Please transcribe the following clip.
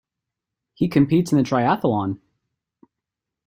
He competes in the triathlon.